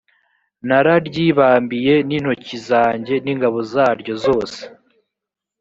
nararyibambiye n intoki zanjye n ingabo zaryo zose